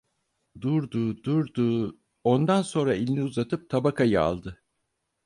Durdu, durdu, ondan sonra elini uzatıp tabakayı aldı.